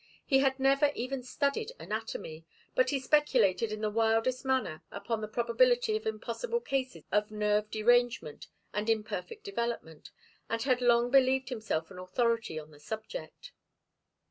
He had never even studied anatomy, but he speculated in the wildest manner upon the probability of impossible cases of nerve derangement and imperfect development, and had long believed himself an authority on the subject.